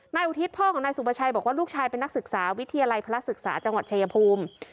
อุทิศพ่อของนายสุประชัยบอกว่าลูกชายเป็นนักศึกษาวิทยาลัยพระศึกษาจังหวัดชายภูมิ